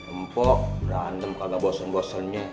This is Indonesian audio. empok berantem kagak bosen bosennya